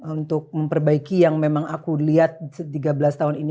untuk memperbaiki yang memang aku lihat tiga belas tahun ini